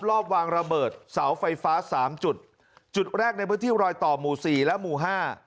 รอบวางระเบิดเสาไฟฟ้าสามจุดจุดแรกในพื้นที่รอยต่อหมู่สี่และหมู่ห้า